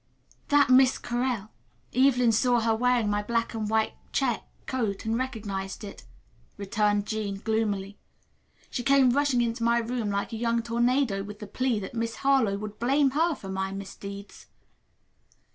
"That Miss Correll. Evelyn saw her wearing my black and white check coat and recognized it," returned Jean gloomily. "She came rushing into my room like a young tornado with the plea that Miss Harlowe would blame her for my misdeeds."